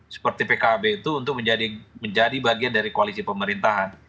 seperti pkb itu untuk menjadi bagian dari koalisi pemerintahan